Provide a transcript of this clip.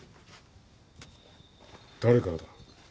誰からだ。